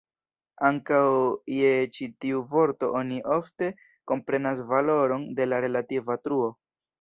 Ankaŭ je ĉi tiu vorto oni ofte komprenas valoron de la relativa truo.